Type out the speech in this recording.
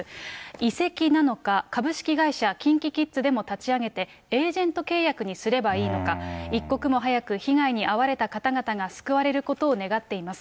移籍なのか、株式会社ＫｉｎＫｉＫｉｄｓでも立ち上げて、エージェント契約にすればいいのか、一刻も早く被害に遭われた方々が救われることを願っています。